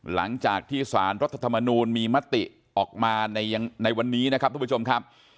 หลังจากที่สารรัฐธรรมนูลมีมติออกมาในวันนี้นะครับทุกผู้ชมครับ